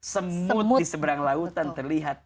semut di seberang lautan terlihat